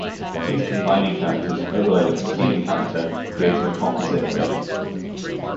These combining characters overlay the preceding character, creating a composite glyph.